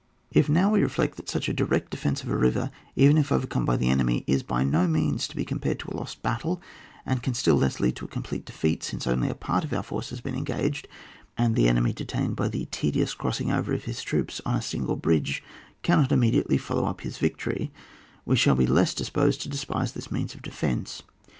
If now we reflect that such a direct defence of a river, even if overcome by the enemy, is by no means to be com pared to a lost battle, and can still less lead to a complete defeat, since only a part of our force has been engaged, and the enemy, detained by the tedious cros sing over of his troops on a single bridge, cannot immediately follow up his victory, we shall be the less disposed to' despise this means of defence.